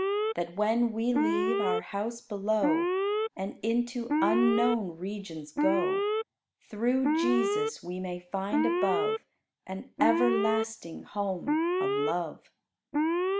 That when we leave our house below, And into unknown regions go, Through Jesus, we may find above An everlasting home of love.